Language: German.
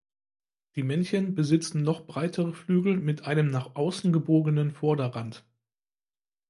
Die Männchen besitzen noch breitere Flügel mit einem nach außen gebogenen Vorderrand.